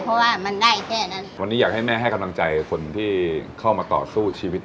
เพราะว่ามันได้แค่นั้นวันนี้อยากให้แม่ให้กำลังใจคนที่เข้ามาต่อสู้ชีวิต